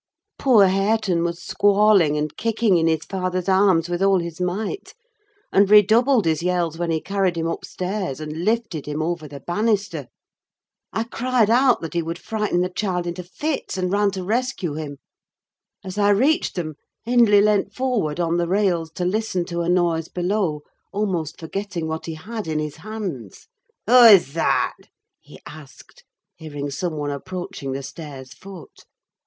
Poor Hareton was squalling and kicking in his father's arms with all his might, and redoubled his yells when he carried him upstairs and lifted him over the banister. I cried out that he would frighten the child into fits, and ran to rescue him. As I reached them, Hindley leant forward on the rails to listen to a noise below; almost forgetting what he had in his hands. "Who is that?" he asked, hearing some one approaching the stairs' foot.